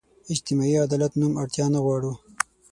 اجتماعي عدالت نوم اړتیا نه غواړو.